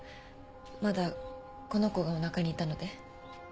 まだこの子がおなかにいたので。